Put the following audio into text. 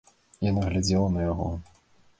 Яна глядзела на яго.